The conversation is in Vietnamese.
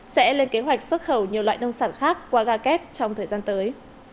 sẽ lên kế hoạch xuất khẩu nhiều loại nông sản khác qua ga kép trong thời gian tới